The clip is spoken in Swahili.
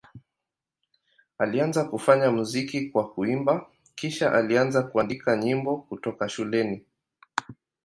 Alianza kufanya muziki kwa kuimba, kisha alianza kuandika nyimbo kutoka shuleni.